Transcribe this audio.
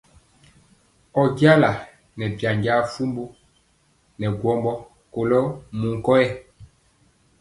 Ɔ nɛ jala byanja fumbu nɛ gwɔmbɔ kolɔ wuŋ kɔyɛ.